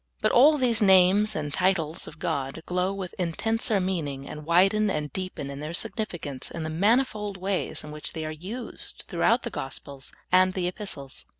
But all these names and titles of God glow with intenser meaning, and widen and deepen in their significance in the manifold ways in which they are used throughout the Gospels and the Epistles.